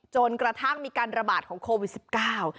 จนกระทั่งมีการระบาดของโควิดสิบเก้า